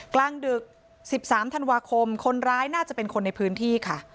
กลางดึก๑๓ธันวาคมคนร้ายน่าจะเป็นคนในพื้นที่ค่ะ